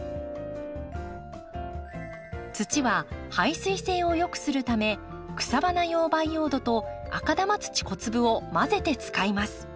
土は排水性をよくするため草花用培養土と赤玉土小粒を混ぜて使います。